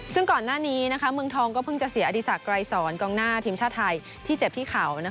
ซึ่งก่อนหน้านี้เมืองทองก็เพิ่งจะเสียอดีศักดรายสอนกองหน้าทีมชาติไทยที่เจ็บที่เข่า